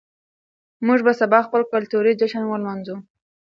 موږ به سبا خپل کلتوري جشن ولمانځو.